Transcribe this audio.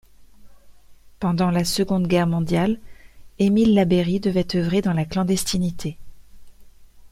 Pendant la Seconde Guerre mondiale, Émile Labeyrie devait œuvrer dans la clandestinité.